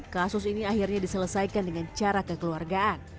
kasus ini akhirnya diselesaikan dengan cara kekeluargaan